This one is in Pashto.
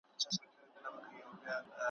ته به ښايی د ښکلا ټوټې پیدا کړې `